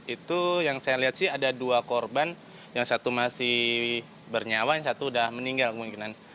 itu yang saya lihat sih ada dua korban yang satu masih bernyawa yang satu sudah meninggal kemungkinan